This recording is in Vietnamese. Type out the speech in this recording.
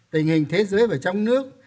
tình hình thế giới và trong nước